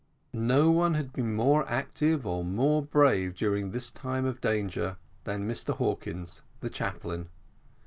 No one had been more active or more brave during this time of danger than Mr Hawkins the chaplain.